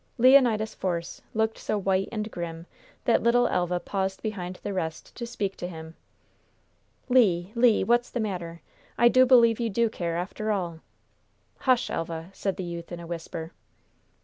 Leonidas Force looked so white and grim that little Elva paused behind the rest to speak to him. "Le! Le! what's the matter? I do believe you do care, after all." "Hush, Elva," said the youth, in a whisper.